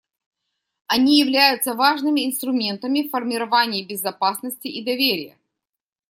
Они являются важными инструментами в формировании безопасности и доверия.